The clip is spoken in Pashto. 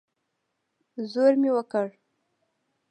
زور مې وکړ.